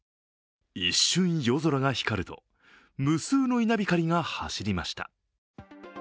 一瞬、夜空が光ると無数の稲光が走りました。